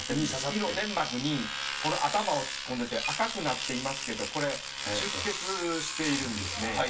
胃の粘膜にこの頭を突っ込んでて、赤くなっていますけど、これ、出血しているんですね。